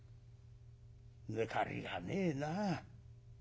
抜かりがねえなあ。